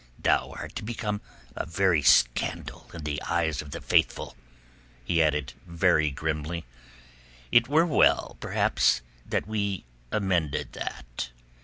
"Thou art become a very scandal in the eyes of the Faithful," he added very grimly. "It were well, perhaps, that we amended that."